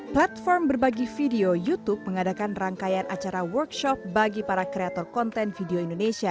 platform berbagi video youtube mengadakan rangkaian acara workshop bagi para kreator konten video indonesia